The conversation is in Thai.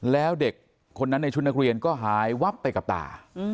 แล้วเด็กคนนั้นในชุดนักเรียนก็หายวับไปกับตา